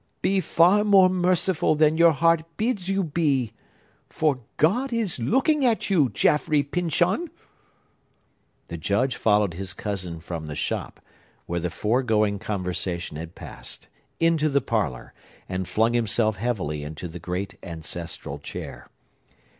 —be far more merciful than your heart bids you be!—for God is looking at you, Jaffrey Pyncheon!" The Judge followed his cousin from the shop, where the foregoing conversation had passed, into the parlor, and flung himself heavily into the great ancestral chair.